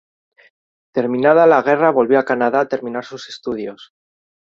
Terminada la guerra volvió a Canadá a terminar sus estudios.